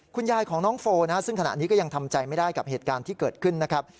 คุณยายของน้องโฟนะฮะซึ่งขณะนี้ก็ยังทำใจไม่ได้กับเหตุการณ์ที่เกิดขึ้นนะครับ